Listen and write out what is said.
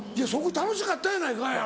楽しかったやないかい。